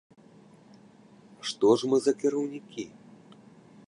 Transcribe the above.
Што ж мы за кіраўнікі?